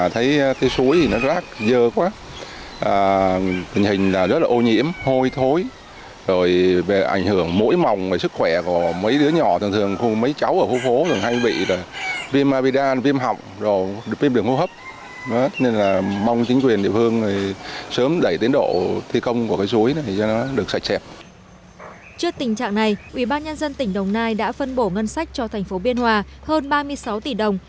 trước tình trạng này ubnd tỉnh đồng nai đã phân bổ ngân sách cho thành phố biên hòa hơn ba mươi sáu tỷ đồng